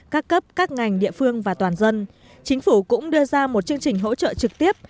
các cấp các ngành địa phương và toàn dân chính phủ cũng đưa ra một chương trình hỗ trợ trực tiếp